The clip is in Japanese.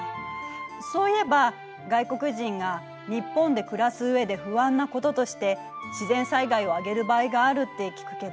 そういえば外国人が日本で暮らす上で不安なこととして自然災害を挙げる場合があるって聞くけど。